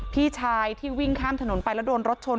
พี่ชายที่วิ่งข้ามถนนไปแล้วโดนรถชน